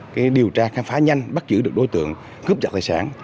cái điều tra khám phá nhanh bắt giữ được đối tượng cướp giật tài sản